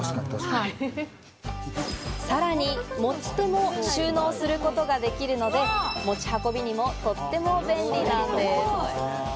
さらに持ち手も収納することができるので、持ち運びにもとっても便利なんです。